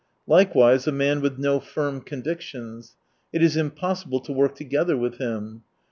Likewise, a man with no firm convictions : it is im possible to work together with him.